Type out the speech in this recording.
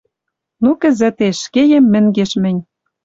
Ну, кӹзӹтеш. Кеем мӹнгеш мӹнь.